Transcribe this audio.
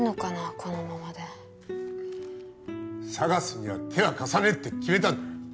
このままでＳＡＧＡＳには手は貸さねえって決めたんだ